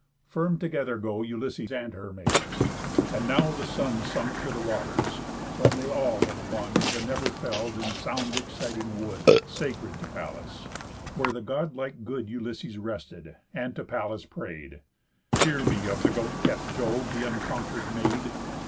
Firm together go Ulysses and her maids. And now the sun Sunk to the waters, when they all had won The never fell'd, and sound exciting, wood, Sacred to Pallas; where the god like good Ulysses rested, and to Pallas pray'd: "Hear me, of goat kept Jove th' unconquer'd Maid!